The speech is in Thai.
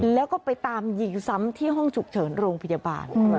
แล้วก็ไปตามยิงซ้ำที่ห้องฉุกเฉินโรงพยาบาล